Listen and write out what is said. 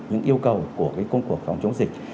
những yêu cầu của công cuộc phòng chống dịch